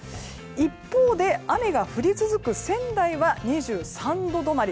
一方で雨が降り続く仙台は２３度止まり。